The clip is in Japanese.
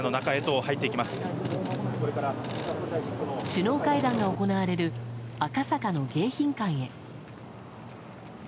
首脳会談が行われる赤坂の迎賓館へ。